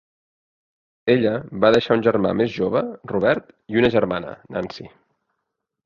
Ella va deixar un germà més jove, Robert, i una germana, Nancy.